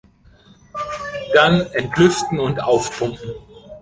Dann entlüften und aufpumpen.